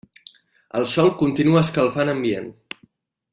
El sol continua escalfant ambient.